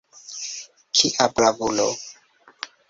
Kia bravulo!